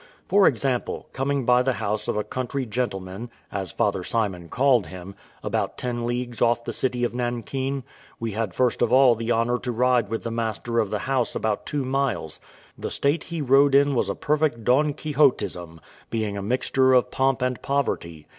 For example, coming by the house of a country gentleman, as Father Simon called him, about ten leagues off the city of Nankin, we had first of all the honour to ride with the master of the house about two miles; the state he rode in was a perfect Don Quixotism, being a mixture of pomp and poverty.